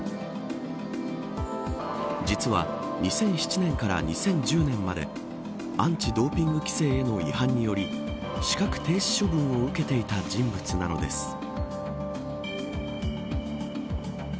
実は２００７年から２０１０年までアンチドーピング規制の違反により資格停止処分を受けていた人物なのです。